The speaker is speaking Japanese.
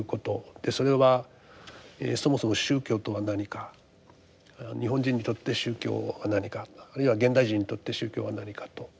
でそれはそもそも宗教とは何か日本人にとって宗教は何かあるいは現代人にとって宗教は何かと。